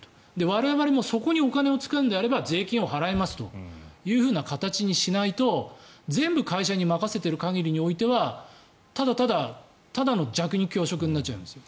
我々もそこにお金を使うんであれば税金を払いますという形にしないと全部会社に任せている限りにおいてはただただ、ただの弱肉強食になっちゃいますよ。